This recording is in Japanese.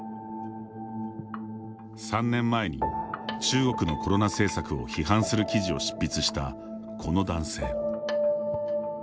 ３年前に中国のコロナ政策を批判する記事を執筆したこの男性。